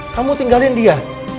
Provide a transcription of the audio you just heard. kamu tinggalin dia